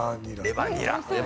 レバニラ。